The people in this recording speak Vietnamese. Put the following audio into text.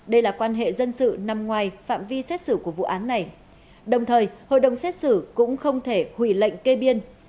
đây là quan hệ dân sự nằm ngoài phạm vi xét xử của vụ án này đồng thời hội đồng xét xử cũng không thể hủy lệnh kê biên